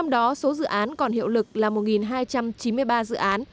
đó số dự án còn hiệu lực là một hai trăm chín mươi ba dự án